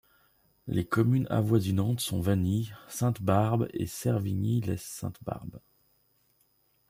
Les communes avoisinantes sont Vany, Sainte-Barbe et Servigny-lès-Sainte-Barbe.